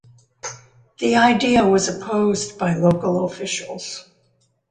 The idea was opposed by local officials.